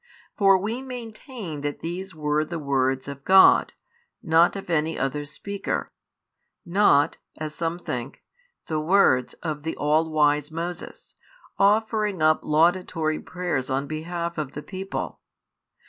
For we maintain that these were the words of God, not of any other speaker; not (as some think) the words of the all wise Moses, offering up laudatory prayers on behalf of the people.